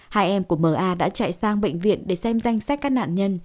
hãy đi đến trạng viện để xem danh sách các nạn nhân